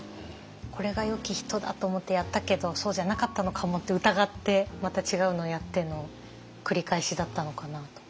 これがよき人だと思ってやったけどそうじゃなかったのかもって疑ってまた違うのをやっての繰り返しだったのかなと。